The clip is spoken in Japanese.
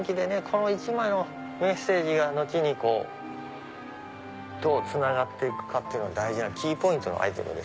この１枚のメッセージが後にどうつながって行くかっていうのが大事なキーポイントのアイテム。